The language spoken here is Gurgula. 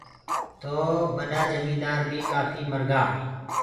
تو ٻڏآ جميٚندآر بي ڪآڦي مرگا۔